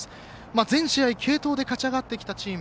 全試合、継投で勝ち上がってきたチーム。